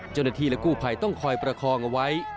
เจ้าหน้าที่และกู้ภัยต้องคอยประคองเอาไว้